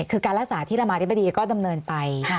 การรักษาธิรมาธิบดีก็ดำเนินไป